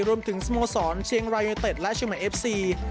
รวมถึงสมสรรค์เชียงรายอุนิเต็ตและเชียงหมายเอฟซี